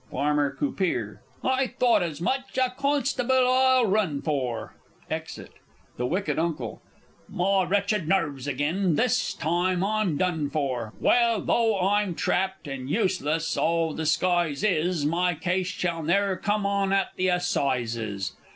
Farmer C. I thought as much a constable I'll run for. [Exit. The W. U. My wretched nerves again! This time I'm done for! Well, though I'm trapped, and useless all disguise is, My case shall ne'er come on at the Assizes!